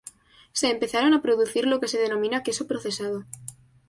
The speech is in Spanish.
Se empezaron a producir lo que se denomina queso procesado.